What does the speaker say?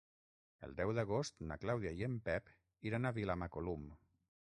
El deu d'agost na Clàudia i en Pep iran a Vilamacolum.